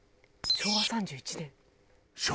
昭和３１年だよ？